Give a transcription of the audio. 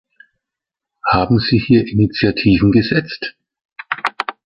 Haben Sie hier Initiativen gesetzt?